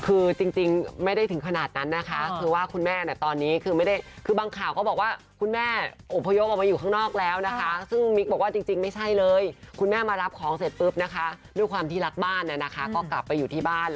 คือจริงไม่ได้ถึงขนาดนั้นนะคะคือว่าคุณแม่ตอนนี้คือไม่ได้คือบางข่าวก็บอกว่าคุณแม่อบพยพออกมาอยู่ข้างนอกแล้วนะคะซึ่งมิ๊กบอกว่าจริงไม่ใช่เลยคุณแม่มารับของเสร็จปุ๊บนะคะด้วยความที่รักบ้านนะคะก็กลับไปอยู่ที่บ้าน